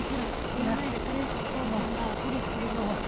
言わないでこれ以上おとうさんがすることない。